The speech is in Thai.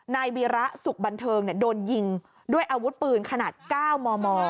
นายวีระสุขบันเทิงเนี้ยโดนยิงด้วยอาวุธปืนขนาดเก้ามม